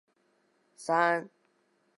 丽纹梭子蟹为梭子蟹科梭子蟹属的动物。